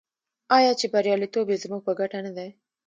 آیا چې بریالیتوب یې زموږ په ګټه نه دی؟